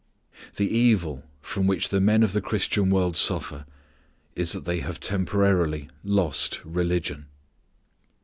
The evil from which the men of the Christian world suffer is that they have temporarily lost religion.